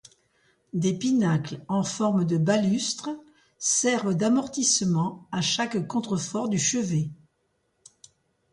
Des pinacles en forme de balustre servent d'amortissement à chaque contrefort du chevet.